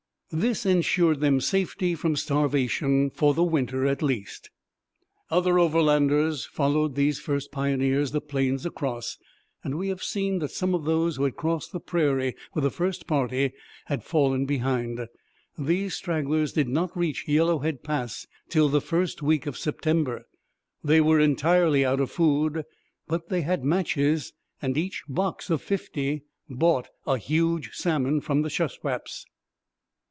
This ensured them safety from starvation for the winter at least. Other Overlanders followed these first pioneers 'the plains across.' And we have seen that some of those who had crossed the prairie with the first party had fallen behind. These stragglers did not reach Yellowhead Pass till the first week of September. They were entirely out of food; but they had matches, and each box of fifty bought a huge salmon from the Shuswaps.